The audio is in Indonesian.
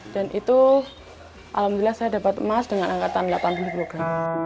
dan itu alhamdulillah saya dapat emas dengan angkatan delapan puluh program